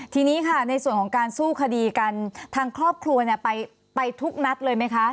ทีนี้ค่ะในส่วนของการสู้คดีกันทางครอบครัวเนี่ยไปทุกนัดเลยไหมคะ